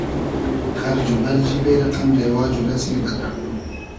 خئرج و بئرجی بې رئقئم , رېواج و رئسمی بئد رئقئم